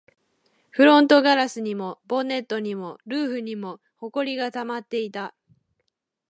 フロントガラスにも、ボンネットにも、ルーフにも埃が溜まっていた